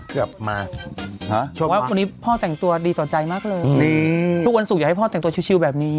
กลับมาชมว่าวันนี้พ่อแต่งตัวดีต่อใจมากเลยทุกวันศุกร์อยากให้พ่อแต่งตัวชิวแบบนี้